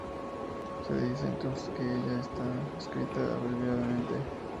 Se dice entonces de ella que está escrita "abreviadamente".